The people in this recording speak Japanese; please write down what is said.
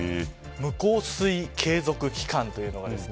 無降水継続期間というのがですね